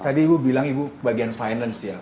tadi ibu bilang ibu bagian finance ya